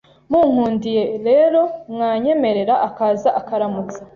Munkundiye rero mwanyemerera akaza akaramutsa